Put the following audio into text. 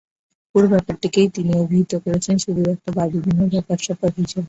পুরো ব্যাপারটিকেই তিনি অভিহিত করেছেন শুধুই একটা বাজে দিনের ব্যাপারস্যাপার হিসেবে।